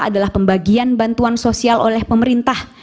adalah pembagian bantuan sosial oleh pemerintah